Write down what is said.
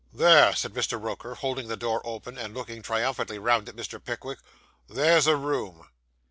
'There,' said Mr. Roker, holding the door open, and looking triumphantly round at Mr. Pickwick, 'there's a room!